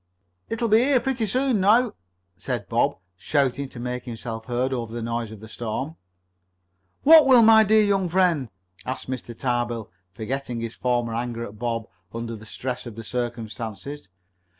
"It'll be here pretty soon now," said Bob, shouting to make himself heard above the noise of the storm. "What will, my dear young friend?" asked Mr. Tarbill, forgetting his former anger at Bob under the stress of the circumstances.